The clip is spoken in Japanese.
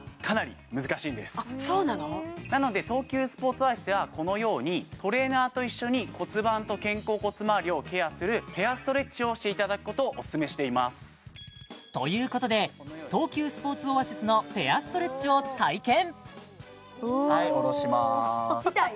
なので東急スポーツオアシスではこのようにトレーナーと一緒に骨盤と肩甲骨まわりをケアするペアストレッチをしていただくことをおすすめしていますということで東急スポーツオアシスのはいおろします痛い？